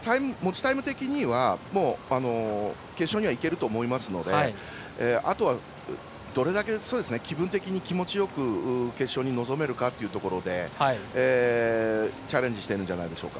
タイム的には決勝にはいけると思いますのであとはどれだけ気分的に気持ちよく決勝に臨めるかというところでチャレンジしてるんじゃないでしょうか。